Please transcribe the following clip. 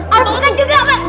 aku mau juga pak